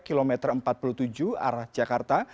kilometer empat puluh tujuh arah jakarta